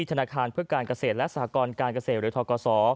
ธนาคารเพื่อการเกษตรและสหกรการเกษตรหรือทกศ